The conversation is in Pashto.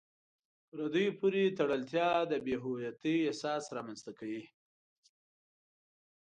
پردیو پورې تړلتیا د بې هویتۍ احساس رامنځته کوي.